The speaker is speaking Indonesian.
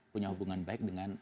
punya hubungan baik dengan